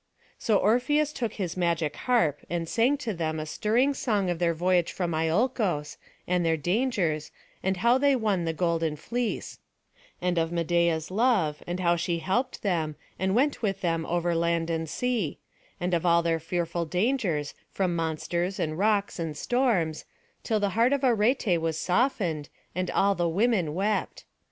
So Orpheus took his magic harp, and sang to them a stirring song of their voyage from Iolcos, and their dangers, and how they won the golden fleece; and of Medeia's love, and how she helped them, and went with them over land and sea; and of all their fearful dangers, from monsters, and rocks, and storms, till the heart of Arete was softened, and all the women wept.